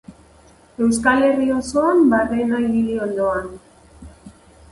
Euskal Herri osoan barrena ibili ondoan.